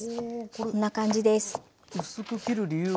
こんな感じです。